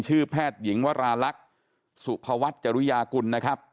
แพทย์หญิงวราลักษณ์สุภวัฒน์จริยากุลนะครับ